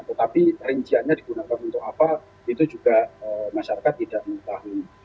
tetapi rinciannya digunakan untuk apa itu juga masyarakat tidak mengetahui